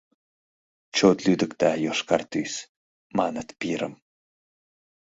Чот лӱдыкта йошкар тӱс, маныт, пирым